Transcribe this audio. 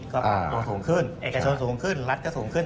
กระชนสูงขึ้นรัฐก็สูงขึ้น